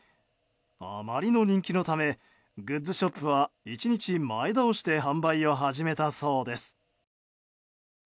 あまりの人気のためグッズショップは１日前倒して販売を始めたそうです。